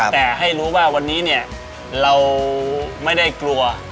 แต่ให้รู้ว่าวันนี้เนี่ยเราไม่ได้กลัว